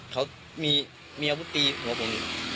เขามีอาวุธตีหัวผม